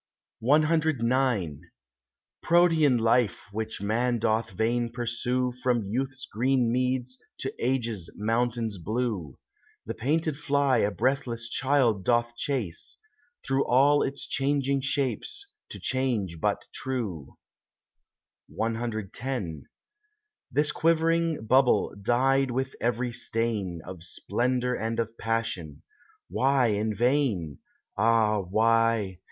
CIX Protean life which man doth vain pursue From youth's green meads to age's mountains blue— The painted fly a breathless child doth chase— Through all its changing shapes to change but true: CX This quivering bubble, dyed with every stain Of splendour and of passion, why in vain— Ah! why?